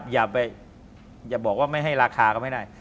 อย่าบอกว่าไม่ให้ราคาก็ไม่ได้